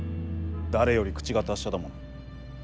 誰より口が達者だもの。